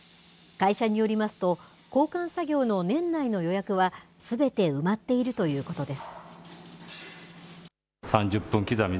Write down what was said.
会社によりますと、交換作業の年内の予約はすべて埋まっているということです。